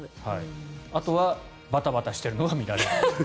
あとはバタバタしているのが見られる。